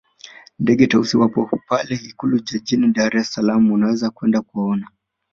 Ndege Tausi wapo pale ikulu jijini dar es salama unaweza kwenda kuwaona